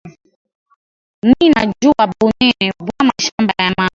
Mina juwa bunene bwa mashamba ya mama